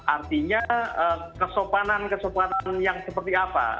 artinya kesopanan kesopanan yang seperti apa